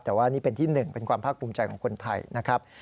แต่ว่านี่เป็นที่๑เป็นความภาพปรุงใจของคนไทยนะครับ